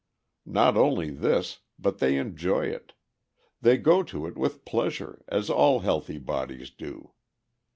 Not only this, but they enjoy it; they go to it with pleasure, as all healthy bodies do.